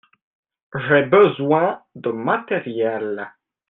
J'ai besoin de matériels.